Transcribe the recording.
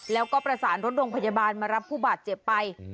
แล้วก็ประสานรถโรงพยาบาลมารับผู้บาดเจ็บไป